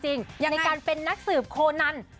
ยังไงอย่างไรในการเป็นนักสืบโคนัน